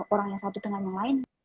orang yang satu dengan yang lain